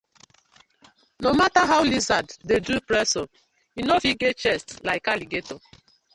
No matter how lizard dey do press up e no go get chest like alligator: